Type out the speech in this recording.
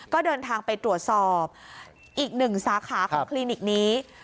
ก็เดินทางไปตรวจสอบอีกหนึ่งสาขาของคลินิกนี้